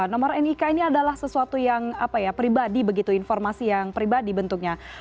nomor nik ini adalah sesuatu yang pribadi begitu informasi yang pribadi bentuknya